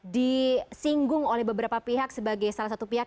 disinggung oleh beberapa pihak sebagai salah satu pihak